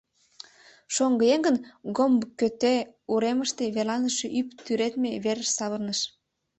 Шоҥгыеҥ гын Гомбкӧтӧ уремыште верланыше ӱп тӱредме верыш савырныш.